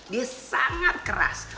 dia sangat keras